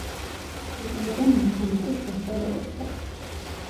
იყენებენ მექანიკურ საშუალებებსაც.